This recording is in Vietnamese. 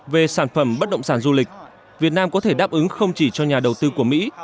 về sản phẩm bất động sản du lịch việt nam có thể đáp ứng không chỉ cho nhà đầu tư của mỹ